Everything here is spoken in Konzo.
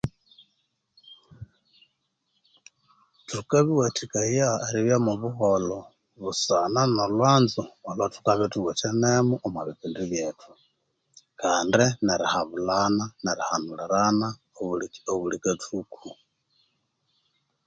Thukabiwathikaya eribya mwo buholho busana no lhwanzu olhwa thukabya ithuwithenemo omo bipindi byethu kandi nerihabulhana nerihanulirana obuli obuli kathuku